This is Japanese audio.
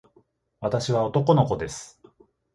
私は男の子です。